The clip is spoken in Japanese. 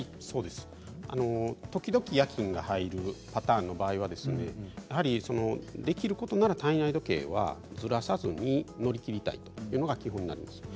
時々夜勤が入るパターンの場合はできることなら体内時計はずらさずに乗り切りたいというのが、基準なんです。